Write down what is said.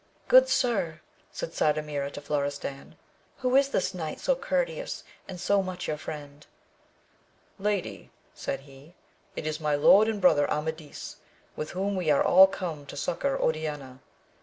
Good sir, said Sardamira to Florestan, who is this knight so courteous, and so much your friend 1 Lady, said he, it is my lord and brother Amadis, with whom we are all come to succour Oriana.